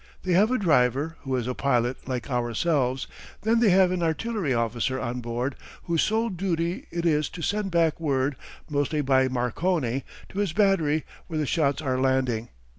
They have a driver, who is a pilot, like ourselves; then they have an artillery officer on board, whose sole duty it is to send back word, mostly by Marconi, to his battery where the shots are landing.